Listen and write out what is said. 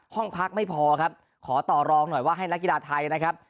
ห้องพักไม่พอครับขอต่อรองหน่อยว่าให้นักกีฬาไทยนะครับ